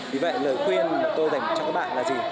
vì vậy lời khuyên mà tôi dành cho các bạn là gì